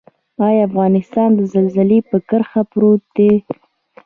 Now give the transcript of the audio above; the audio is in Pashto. آیا افغانستان د زلزلې په کرښه پروت دی؟